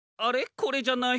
これじゃない。